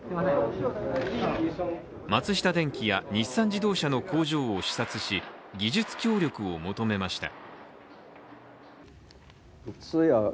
松下電器や日産自動車の工場を視察し、技術協力を求めました。